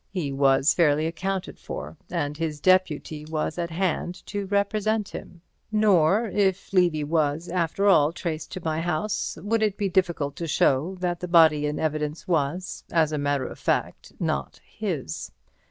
He was fairly accounted for, and his deputy was at hand to represent him. Nor, if Levy was after all tracted to my house, would it be difficult to show that the body in evidence was, as a matter of fact, not his.